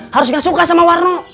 harusnya suka sama warno